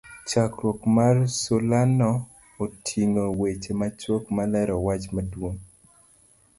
chakruok mar sulano otingo weche machuok ma lero wach maduong'